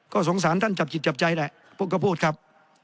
ก็สงสารท่านจับจิตจับใจแหละพวกก็พูดครับ